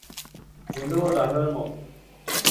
زنده باد رهبر ما!